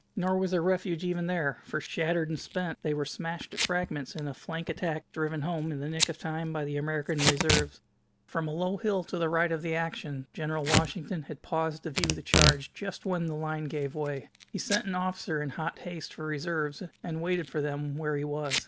Nor was there refuge even there, for, shattered and spent, they were smashed to fragments in a flank attack driven home in the nick of time by the American reserves. From a low hill to the right of this action General Washington had paused to view the charge just when his line gave way. He sent an officer in hot haste for reserves, and waited for them where he was.